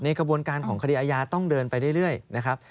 กระบวนการของคดีอาญาต้องเดินไปเรื่อยนะครับ